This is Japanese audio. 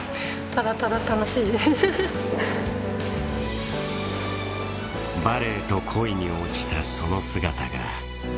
ただただ楽しいバレエと恋に落ちたその姿が羨ましい